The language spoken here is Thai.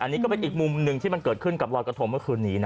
อันนี้ก็เป็นอีกมุมหนึ่งที่มันเกิดขึ้นกับรอยกระทงเมื่อคืนนี้นะ